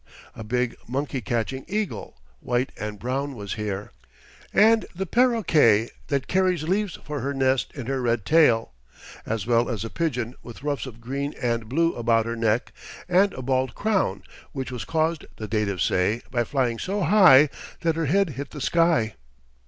A big monkey catching eagle, white and brown, was here, and the paroquet that carries leaves for her nest in her red tail, as well as a pigeon with ruffs of green and blue about her neck, and a bald crown, which was caused, the natives say, by flying so high that her head hit the sky.